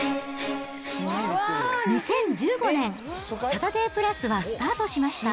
２０１５年、サタデープラスはスタートしました。